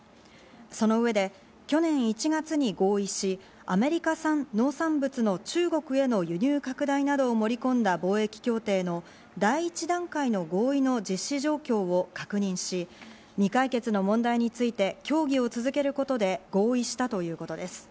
その上で去年１月に合意し、アメリカ産農産物の中国への輸入拡大などを盛り込んだ貿易協定の第１段階の合意の実施状況を確認し、未解決の問題について協議を続けることで合意したということです。